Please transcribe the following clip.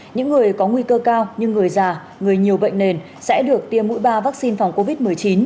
những người có nguy cơ cao như người già người nhiều bệnh nền sẽ được tiêm mũi ba vaccine phòng covid một mươi chín